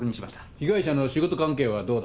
被害者の仕事関係はどうだ？